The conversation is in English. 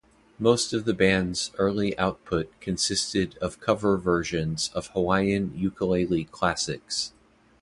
Most of the band's early output consisted of cover versions of Hawaiian ukulele classics.